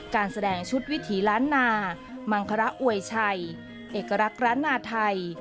การแสดงชุดวิถีล้านนามังคระอวยชัยเอกลักษณ์ล้านนาไทย